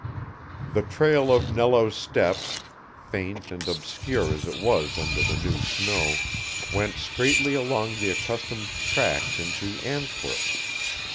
The trail of Nello's steps, faint and obscure as it was under the new snow, went straightly along the accustomed tracks into Antwerp.